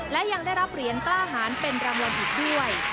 และยังได้รับเหรียญกล้าหารเป็นรางวัลอีกด้วย